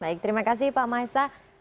baik terima kasih pak maesa